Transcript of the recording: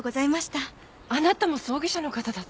あなたも葬儀社の方だったの？